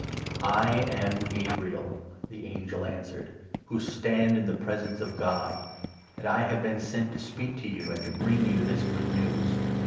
"1 am Gabriel," the angel answered, "who stand in the 19 presence of God, and I have been sent to speak to you and to bring you this good news.